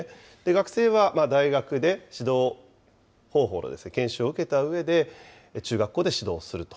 学生は大学で指導方法の研修を受けたうえで、中学校で指導すると。